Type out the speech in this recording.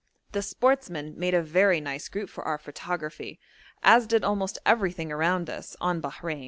The sportsmen made a very nice group for our photography, as did almost everything around us on Bahrein.